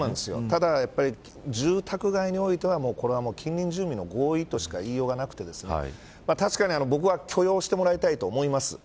ただ、住宅街においては近隣住民の合意としか言いようがなくて確かに僕は許容してもらいたいと思います。